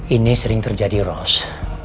ini sering terjadi rose